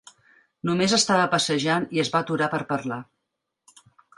Només estava passejant i es va aturar per parlar.